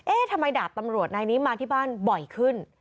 ทำไมดาบตำรวจนายนี้มาที่บ้านบ่อยขึ้น